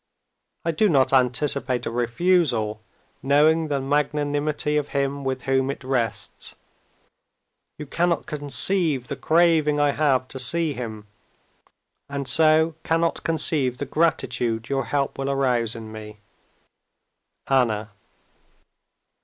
I do not anticipate a refusal, knowing the magnanimity of him with whom it rests. You cannot conceive the craving I have to see him, and so cannot conceive the gratitude your help will arouse in me. "Anna."